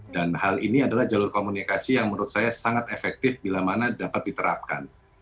dan hal ini adalah jalur komunikasi yang menurut saya sangat efektif bila mana dapat diterapkan